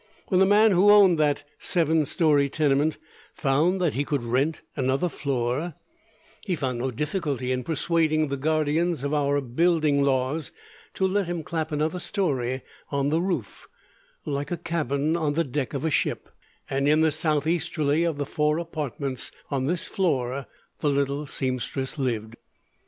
When the man who owned that seven story tenement found that he could rent another floor, he found no difficulty in persuading the guardians of our building laws to let him clap another story on the roof, like a cabin on the deck of a ship; and in the southeasterly of the four apartments on this floor the little seamstress lived.